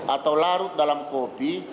atau larut dalam kopi